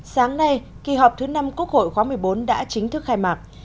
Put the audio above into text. sáng nay kỳ họp thứ năm quốc hội khóa một mươi bốn đã chính thức khai mạc